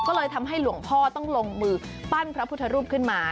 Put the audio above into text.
ก็เลยทำให้หลวงพ่อต้องลงมือปั้นพระพุทธรูปขึ้นมา